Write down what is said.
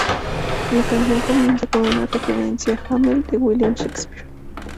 La canción comienza con una referencia a "Hamlet" de William Shakespeare.